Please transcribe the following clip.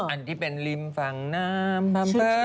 อันที่เป็นริมฝั่งน้ำบำเบอร์ละเมอร์กวน